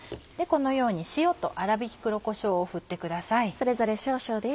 このように塩と粗びき黒こしょうを振ってください。